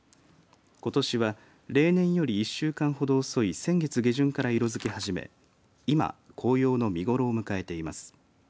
ことしは、例年より１週間ほど遅い先月下旬から色づき始め今、紅葉の見頃を迎えています。